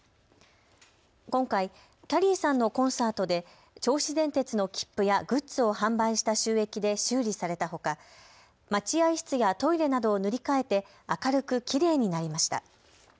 今回、きゃりーさんのコンサートで銚子電鉄の切符やグッズを販売した収益で修理されたほか待合室やトイレなどを塗り替えて明るくきれいになりました。